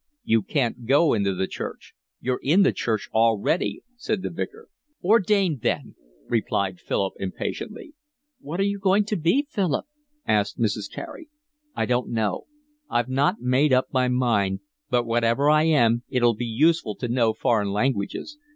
"You can't go into the Church: you're in the Church already," said the Vicar. "Ordained then," replied Philip impatiently. "What are you going to be, Philip?" asked Mrs. Carey. "I don't know. I've not made up my mind. But whatever I am, it'll be useful to know foreign languages.